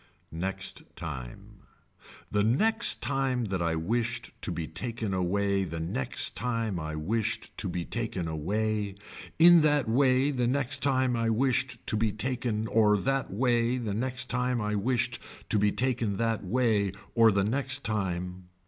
Next time. The next time that I wished to be taken away the next time I wished to be taken away, in that way the next time I wished to be taken or that way the next time I wished to be taken that way, or the next time.